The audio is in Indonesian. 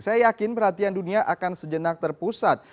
saya yakin perhatian dunia akan sejenak terpusat